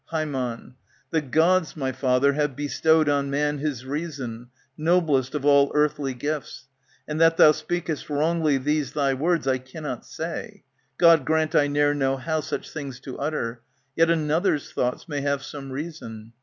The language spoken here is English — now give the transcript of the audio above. Ham, The Gods, my father, have bestowed on man His reason, noblest of all earthly gifts ; And that thou speakest wrongly these thy words I cannot say, (God grant I ne'er know how Such things to utter !) yet another's thoughts May have some reason.